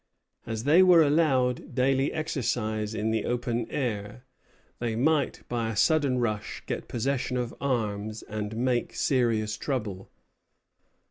As they were allowed daily exercise in the open air, they might by a sudden rush get possession of arms and make serious trouble.